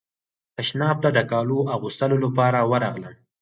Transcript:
تشناب ته د کالو اغوستلو لپاره ورغلم.